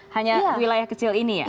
hanya wilayah kecil ini ya